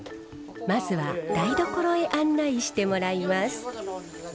まずは台所へ案内してもらいます。